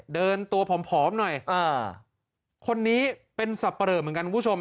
เดินตัวผอมหน่อยคนนี้เป็นสับปะเหลอเหมือนกันคุณผู้ชม